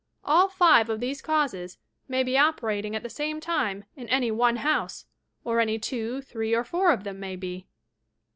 All five of these causes may be operating at the same lime in any one house, or any two, three or four of them may be.